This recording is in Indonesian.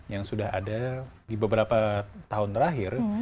yang sudah ada di beberapa tahun terakhir